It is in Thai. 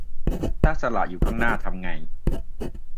ถ้าสระอยู่ข้างหน้า ทำไง